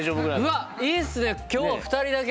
うわっいいっすね。